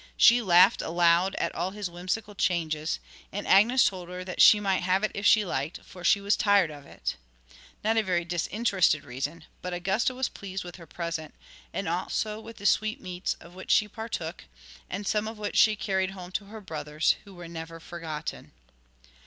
She laughed aloud at all his whimsical changes, and Agnes told her that she might have it if she liked for she was tired of it not a very disinterested reason, but Augusta was pleased with her present, and also with the sweetmeats of which she partook, and some of which she carried home to her brothers who were never forgotten.